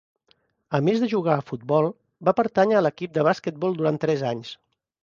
A més de jugar a futbol, va pertànyer a l'equip de basquetbol durant tres anys.